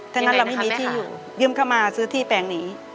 เท่านั้นเรามีที่อยู่เยื่มเข้ามาซื้อที่แปลงหนี